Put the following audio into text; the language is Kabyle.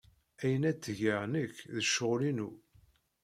Ayen ay ttgeɣ nekk d ccɣel-inu.